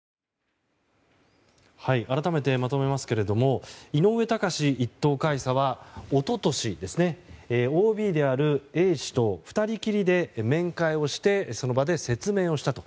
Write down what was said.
改めてまとめますけれども井上高志１等海佐は、一昨年ＯＢであるＡ氏と２人きりで面会をしてその場で説明をしたと。